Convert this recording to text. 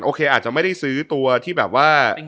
อาจจะไม่ได้ซื้อตัวที่แบบว่า